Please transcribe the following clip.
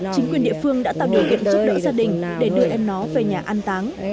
chính quyền địa phương đã tạo điều kiện giúp đỡ gia đình để đưa em nó về nhà an táng